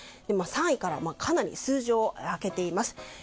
３位からかなり数字を開けています。